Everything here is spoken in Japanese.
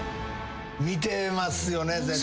見てますよね絶対。